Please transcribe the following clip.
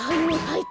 はい。